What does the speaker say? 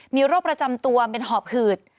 มีโรคประจำตัวเป็นหอบหืด